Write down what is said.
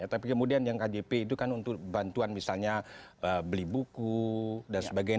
tapi kemudian yang kjp itu kan untuk bantuan misalnya beli buku dan sebagainya